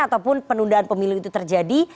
ataupun penundaan pemilu itu terjadi